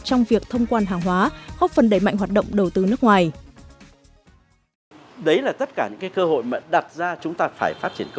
trong việc thông quan hàng hóa hốc phần đẩy mạnh hoạt động đầu tư nước ngoài